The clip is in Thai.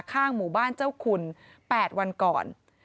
ข้างหมู่บ้านเจ้าคุณ๘วันก่อน